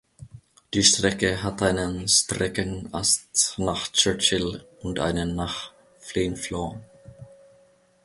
Die Strecke hat einen Streckenast nach Churchill und einen nach Flin Flon.